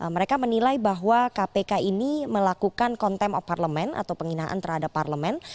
mereka menilai bahwa kpk ini melakukan kontem of parlement atau penghinaan terhadap parlement